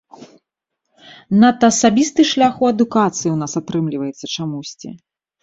Надта асабісты шлях у адукацыі ў нас атрымліваецца чамусьці!